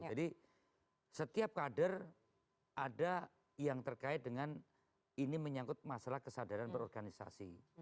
jadi setiap kader ada yang terkait dengan ini menyangkut masalah kesadaran berorganisasi